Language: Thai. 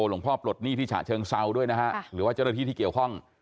หลวงพ่อปลดหนี้ที่ฉะเชิงเซาด้วยนะฮะหรือว่าเจ้าหน้าที่ที่เกี่ยวข้อง